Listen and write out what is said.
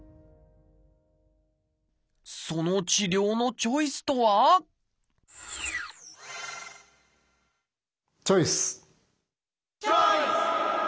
その治療のチョイスとはチョイス！